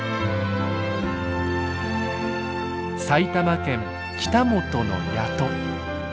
埼玉県北本の谷戸。